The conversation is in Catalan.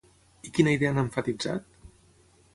I quina idea han emfatitzat?